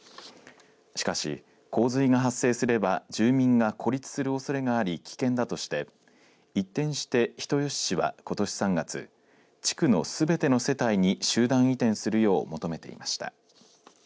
しかし洪水が発生すれば住民が孤立するおそれがあり危険だとして一転して人吉市は、ことし３月、地区のすべての世帯に集団移転するよう求めていました。